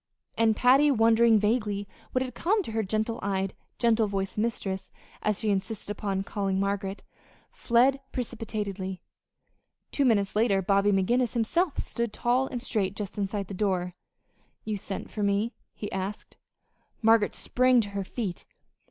And Patty, wondering vaguely what had come to her gentle eyed, gentle voiced mistress as she insisted upon calling Margaret fled precipitately. Two minutes later Bobby McGinnis himself stood tall and straight just inside the door. "You sent for me?" he asked. Margaret sprang to her feet.